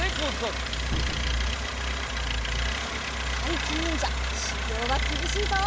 たいきにんじゃしゅぎょうはきびしいぞ。